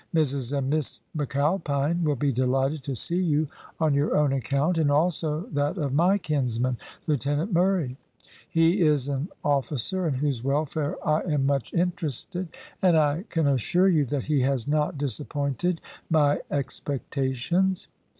Mrs and Miss McAlpine will be delighted to see you on your own account, and also that of my kinsman Lieutenant Murray. He is an officer in whose welfare I am much interested, and I can assure you that he has not disappointed my expectations."